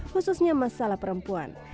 khususnya masalah perempuan